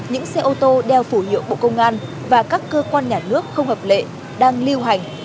những xe ô tô đeo phủ hiệu bộ công an và các cơ quan nhà nước không hợp lệ đang lưu hành